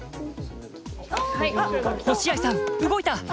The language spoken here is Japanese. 星合さん動いた！